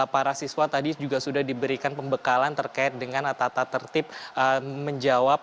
para siswa tadi juga sudah diberikan pembekalan terkait dengan tata tertib menjawab